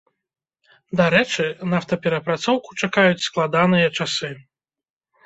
Дарэчы, нафтаперапрацоўку чакаюць складаныя часы.